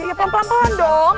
iya pelan pelan dong